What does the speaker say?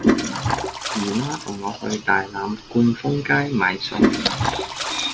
姨媽同我去大欖冠峰街買餸